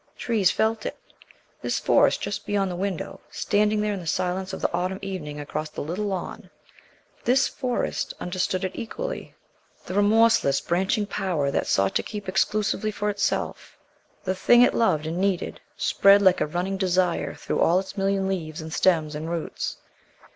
Trees felt it. This Forest just beyond the window standing there in the silence of the autumn evening across the little lawn this Forest understood it equally. The remorseless, branching power that sought to keep exclusively for itself the thing it loved and needed, spread like a running desire through all its million leaves and stems and roots.